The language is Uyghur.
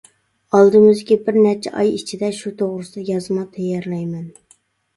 ئالدىمىزدىكى بىرنەچچە ئاي ئىچىدە شۇ توغرىسىدا يازما تەييارلايمەن.